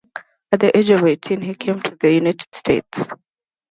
At the age of eighteen he came to the United States.